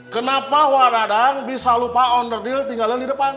kenapa waradang bisa lupa honor deal tinggalin di depan